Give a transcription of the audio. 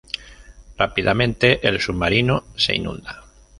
Rápidamente el submarino se inunda.